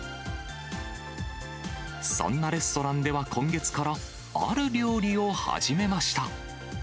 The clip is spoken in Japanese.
そんなレストランでは今月から、ある料理を始めました。